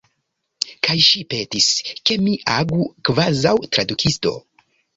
Kaj ŝi petis, ke mi agu kvazaŭ tradukisto.